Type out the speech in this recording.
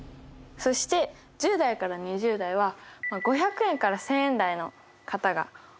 そして１０代から２０代は５００円から１，０００円台の方が多い。